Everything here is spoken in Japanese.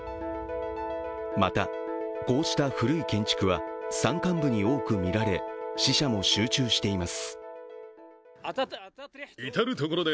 また、こうした古い建築は山間部に多く見られ死者も集中しています。